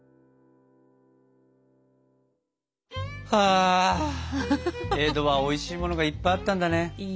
あ江戸はおいしいものがいっぱいあったんだね。